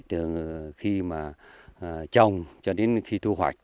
từ khi mà trồng cho đến khi thu hoạch